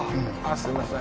すみません。